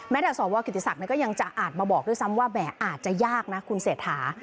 จากสวกิติศักดิ์ก็ยังจะอาจมาบอกด้วยซ้ำว่าแหมอาจจะยากนะคุณเศรษฐา